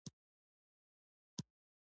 د هغه پورتنۍ شونډه په بې وسۍ سره رپیده